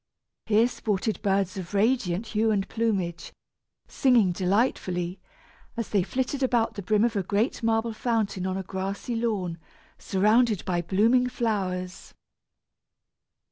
Here sported birds of radiant hue and plumage, singing delightfully, as they flitted about the brim of a great marble fountain on a grassy lawn, surrounded by blooming flowers.